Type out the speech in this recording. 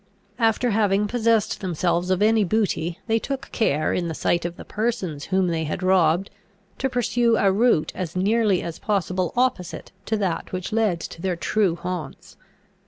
After having possessed themselves of any booty, they took care, in the sight of the persons whom they had robbed, to pursue a route as nearly as possible opposite to that which led to their true haunts.